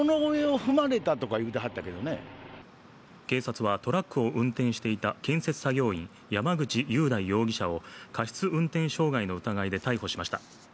警察はトラックを運転していた建設作業員、山口雄大容疑者を過失運転傷害の疑いで逮捕しました。